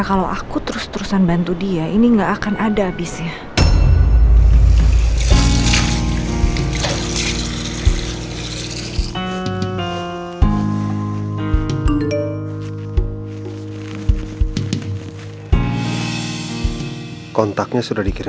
gila aku ganti baju dulu bentar